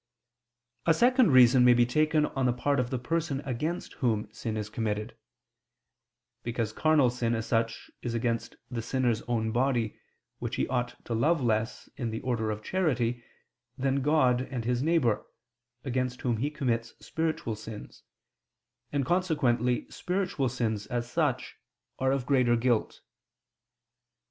A second reason may be taken on the part of the person against whom sin is committed: because carnal sin, as such, is against the sinner's own body, which he ought to love less, in the order of charity, than God and his neighbor, against whom he commits spiritual sins, and consequently spiritual sins, as such, are of greater guilt.